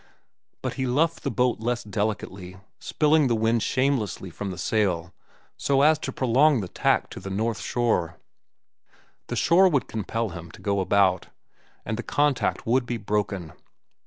But he luffed the boat less delicately, spilling the wind shamelessly from the sail so as to prolong the tack to the north shore. The shore would compel him to go about, and the contact would be broken.